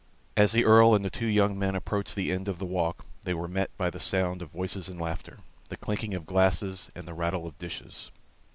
As the Earl and the two young men approached the end of the walk, they were met by the sound of voices and laughter, the clinking of glasses and the rattle of dishes.